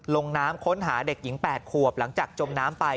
ลงน้ำค้นหาเด็กหญิง๘ขวบหลังจากจมน้ำไป